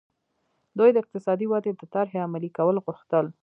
دوی د اقتصادي ودې د طرحې عملي کول غوښتل.